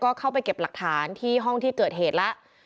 ก็เข้าไปเก็บหลักฐานที่ห้องที่เกิดเหตุแล้ว